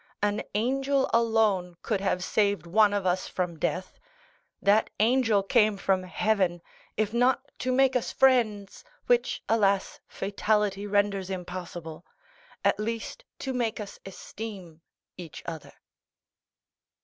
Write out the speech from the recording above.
An angel alone could have saved one of us from death—that angel came from heaven, if not to make us friends (which, alas, fatality renders impossible), at least to make us esteem each other."